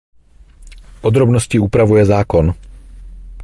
Podrobnosti upravuje zákon.